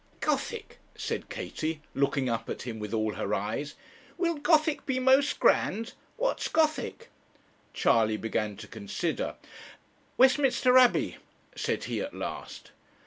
'Gothic!' said Katie, looking up at him with all her eyes. 'Will Gothic be most grand? What's Gothic?' Charley began to consider. 'Westminster Abbey,' said he at last.